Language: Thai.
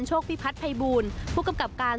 พิพัฒน์ภัยบูลผู้กำกับการ